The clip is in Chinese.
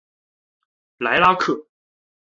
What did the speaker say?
莱拉克。